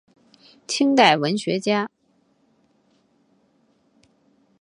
清代文学家。